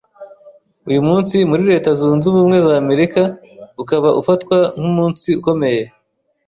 Uyu munsi muri leta zunze ubumwe z’Amerika ukaba ufatwa nk’umunsi ukomeye